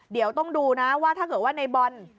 เดี๋ยวต้องดูนะว่าถ้าเกิดว่าในบอล